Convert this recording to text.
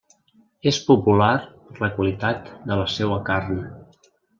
És popular per la qualitat de la seua carn.